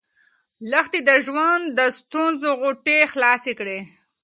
لښتې د ژوند د ستونزو غوټې خلاصې کړې.